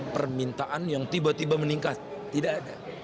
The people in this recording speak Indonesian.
permintaan yang tiba tiba meningkat tidak ada